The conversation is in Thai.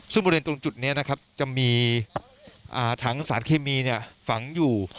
ซึ่งบริเวณตรงจุดนี้นะครับจะมีถังสารเคมีฝังอยู่